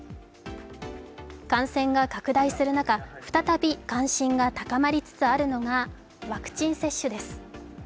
感染が拡大する中、再び関心が高まりつつあるのがワクチン接種です。